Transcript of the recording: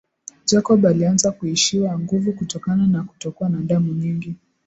Jacob alianza kuishiwa nguvu kutokana na kutokwa na damu nyingi